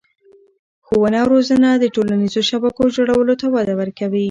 ښوونه او روزنه د ټولنیزو شبکو جوړولو ته وده ورکوي.